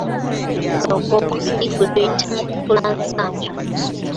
Omwezi ogw'okubiri, gwe tuyita, mukutulansanja.